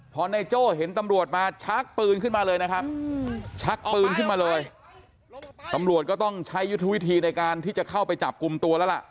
พอนายโจ้เห็นตำรวจมาชักปืนขึ้นมาเลยนะครับชักปืนขึ้นมาเลยตำรวจก็ต้องใช้ยุทธวิธีในการที่จะเข้าไปจับกลุ่มตัวแล้วล่ะ